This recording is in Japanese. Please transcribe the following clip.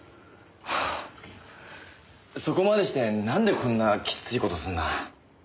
そこまでしてなんでこんなきつい事すんだ？